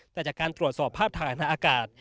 แต่จากการตรวจสอบภาพฐานทางอากาศ